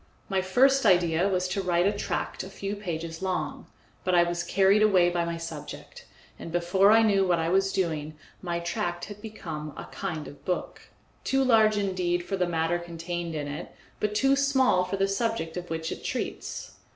My first idea was to write a tract a few pages long, but I was carried away by my subject, and before I knew what I was doing my tract had become a kind of book, too large indeed for the matter contained in it, but too small for the subject of which it treats.